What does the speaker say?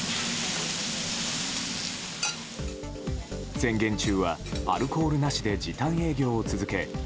宣言中はアルコールなしで時短営業を続け